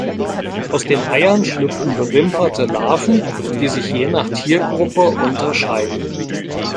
Aus den Eiern schlüpfen bewimperte Larven, die sich je nach Tiergruppe unterscheiden.